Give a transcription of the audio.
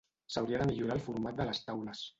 S'hauria de millorar el format de les taules.